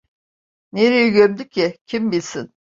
Nereye gömdü ki? Kim bilsin?